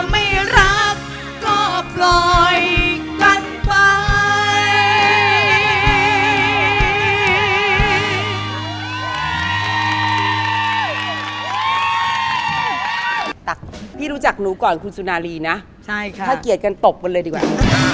เพราะเสียงเดิมของเธอมันทำให้ยิ่งปวดใจ